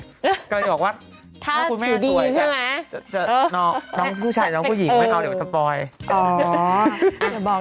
ก็เลยบอกว่าถ้าคุณแม่สวยใช่ไหมน้องผู้ชายน้องผู้หญิงไม่เอาเดี๋ยวสปอย